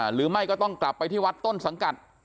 หรือไม่ก็ต้องกลับไปที่วัดต้นสังกัด